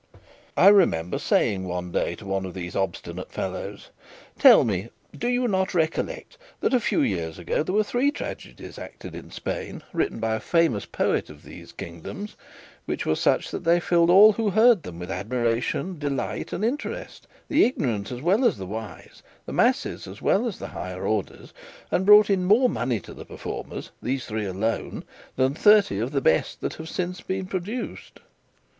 "I remember saying one day to one of these obstinate fellows, 'Tell me, do you not recollect that a few years ago, there were three tragedies acted in Spain, written by a famous poet of these kingdoms, which were such that they filled all who heard them with admiration, delight, and interest, the ignorant as well as the wise, the masses as well as the higher orders, and brought in more money to the performers, these three alone, than thirty of the best that have been since produced?